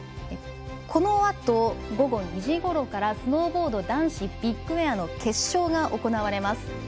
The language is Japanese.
このあと、午後２時ごろからスノーボード男子ビッグエアの決勝が行われます。